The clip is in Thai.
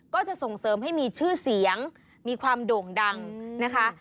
ก็จะส่งเสริมให้มีชื่อเสียงมีความโด่งดังนะคะ